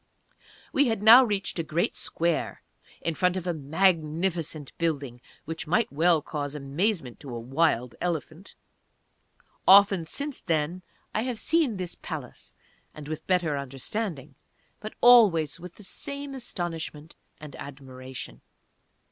We had now reached a great square in front of a magnificent building which might well cause amazement to a "wild" elephant. Often since then I have seen this Palace, and with better understanding, but always with the same astonishment and admiration.